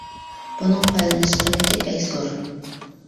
بۇنىڭ پايدىلىنىش قىممىتى بەك زور!